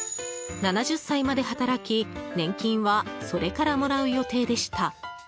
７０歳まで働き、年金はそれからもらう予定でした。